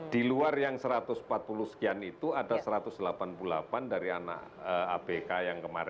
di luar yang satu ratus empat puluh sekian itu ada satu ratus delapan puluh delapan dari anak abk yang kemarin